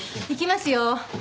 いきますよ。